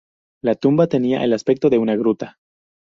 La tumba tenía el aspecto de una gruta.